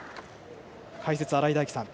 解説は新井大基さん。